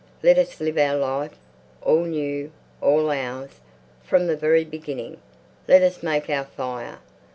Let us live our life, all new, all ours, from the very beginning. Let us make our fire.